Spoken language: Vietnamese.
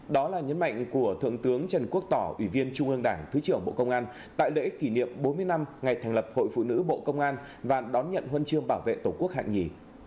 đó là nhấn mạnh của thượng tướng trần quốc tỏ ủy viên trung ương đảng thứ trưởng bộ công an tại lễ kỷ niệm bốn mươi năm ngày thành lập hội phụ nữ bộ công an và đón nhận huân chương bảo vệ tổ quốc hạng nhì